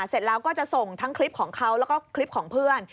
เสร็จแล้วก็จะส่งทั้งคลิปของเขาแล้วก็คลิปของเพื่อน